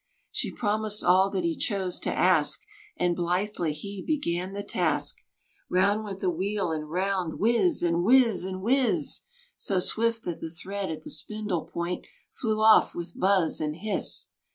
She promised all that he chose to ask; And blithely he began the task. Round went the wheel, and round, Whiz, and whiz z, and whiz z z! So swift that the thread at the spindle point Flew off with buzz and hiss.